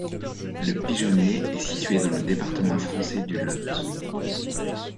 Le pigeonnier est situé dans le département français du Lot.